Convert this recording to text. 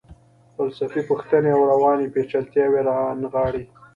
فلسفي پوښتنې او رواني پیچلتیاوې رانغاړي.